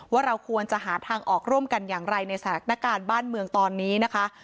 ว่าเราควรจะหาทางออกร่วมกันอย่างไรในสถานการณ์บ้านเมืองตอนนี้นะคะ